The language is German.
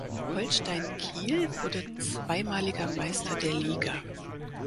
Holstein Kiel wurde zweimaliger Meister der Liga.